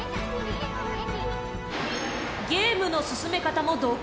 ゲームの進め方も独創的